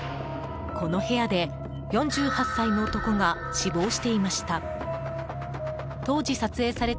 この部屋で４８歳の男が死亡していました。